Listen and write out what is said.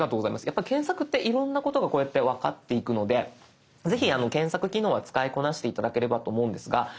やっぱ検索っていろんなことがこうやって分かっていくのでぜひ検索機能は使いこなして頂ければと思うんですが。